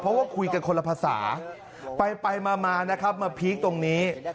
เพราะว่าคุยกันคนละภาษาไปมานะครับมาพีคตรงนี้